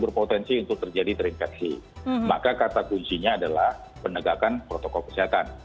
berpotensi untuk terjadi terinfeksi maka kata kuncinya adalah penegakan protokol kesehatan